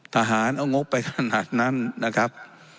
ทหารเอางบไปขนาดนั้นนะครับ